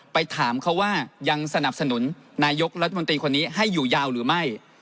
ไปถามเขาว่ายังสนับสนุนนายกรัฐมนตรีคนนี้ให้อยู่ยาวหรือไม่